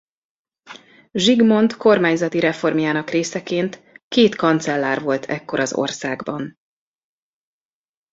Zsigmond kormányzati reformjának részeként két kancellár volt ekkor az országban.